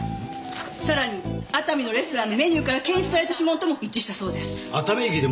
さらに熱海のレストランのメニューから検出された指紋とも一致したそうです。